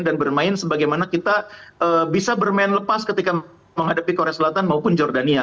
dan bermain sebagaimana kita bisa bermain lepas ketika menghadapi korea selatan maupun jordania